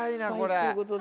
失敗ということで。